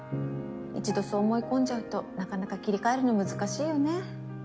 １度そう思い込んじゃうとなかなか切り替えるの難しいよね。